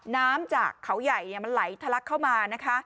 น้ำจากเขาใหญ่มันไหลทะลักเข้ามานะคะ